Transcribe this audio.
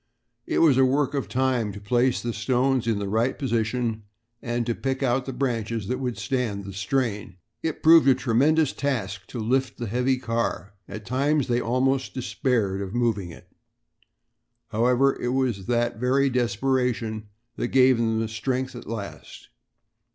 It was a work of time to place the stones in the right position and to pick out branches that would stand the strain. It proved a tremendous task to lift the heavy car. At times they almost despaired of moving it. However, it was that very desperation that gave them strength at last.